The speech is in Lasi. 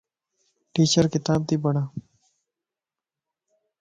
ٽيچر ڪتاب تي پڙھ